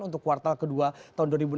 untuk kuartal kedua tahun dua ribu enam belas